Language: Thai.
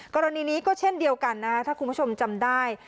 กรณีนี้ก็เช่นเดียวกันนะครับถ้าคุณผู้ชมจำได้